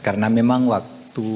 karena memang waktu